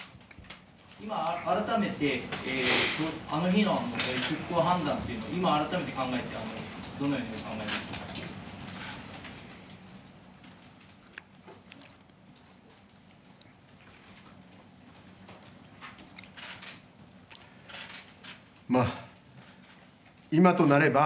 今、改めてあの日の出航判断、今、改めて考えてどのようにお考えですか。